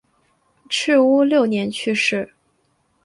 赤乌六年去世。